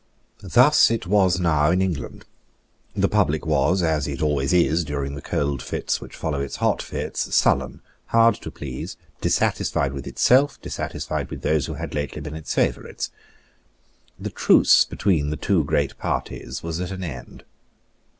Thus it was now in England. The public was, as it always is during the cold fits which follow its hot fits, sullen, hard to please, dissatisfied with itself, dissatisfied with those who had lately been its favourites. The truce between the two great parties was at an end.